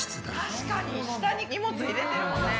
確かに下に荷物入れてるもんね。